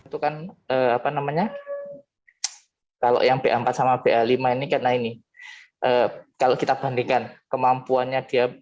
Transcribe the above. di mana ini kalau kita bandingkan kemampuannya dia